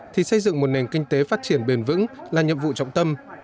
thì xây dựng một nền kinh tế phát triển bền vững là nhiệm vụ trọng tâm